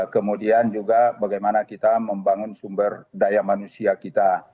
kemudian juga bagaimana kita membangun sumber daya manusia kita